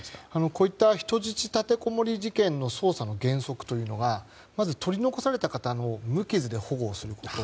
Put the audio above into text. こういった人質立てこもり事件の捜査の原則というのがまず取り残された方を無傷で保護をすること。